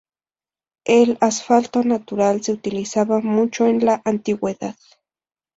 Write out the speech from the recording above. El asfalto natural se utilizaba mucho en la antigüedad.